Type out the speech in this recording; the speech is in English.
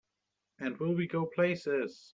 And will we go places!